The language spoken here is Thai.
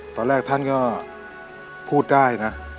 ตอนแรกท่านก็พูดได้นะ